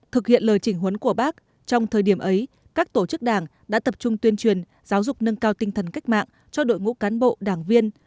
thực hiện lời chỉnh huấn của bác trong thời điểm ấy các tổ chức đảng đã tập trung tuyên truyền giáo dục nâng cao tinh thần cách mạng cho đội ngũ cán bộ đảng viên